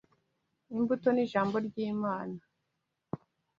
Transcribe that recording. Imbuto ni ijambo ry’Imana.